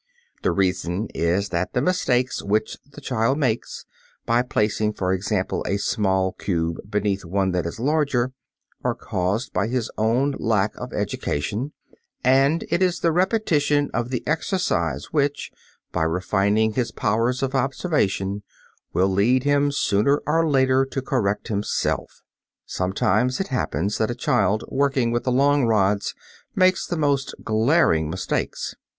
The reason is that the mistakes which the child makes, by placing, for example, a small cube beneath one that is larger, are caused by his own lack of education, and it is the repetition of the exercise which, by refining his powers of observation, will lead him sooner or later to correct himself. Sometimes it happens that a child working with the long rods makes the most glaring mistakes.